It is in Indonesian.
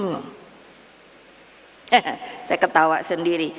he he saya ketawa sendiri